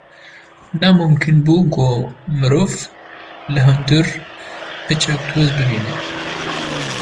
’’Ne mimkun bû ku mirov li hundir piçek toz bibîne.